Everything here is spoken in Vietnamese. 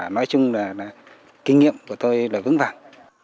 nói chung là kinh nghiệm của tôi là vững vàng